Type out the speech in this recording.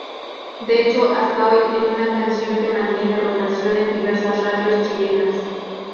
De hecho, hasta hoy es una canción que mantiene rotación en diversas radios chilenas.